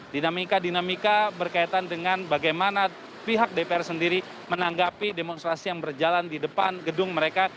dinamika dinamika berkaitan dengan bagaimana pihak dpr sendiri menanggapi demonstrasi yang berjalan di depan gedung mereka